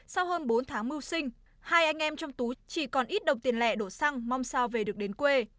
sau hơn bốn tháng mưu sinh hai anh em trong tú chỉ còn ít đồng tiền lẻ đổ xăng mong sao về được đến quê